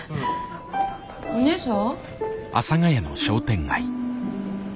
お姉さん？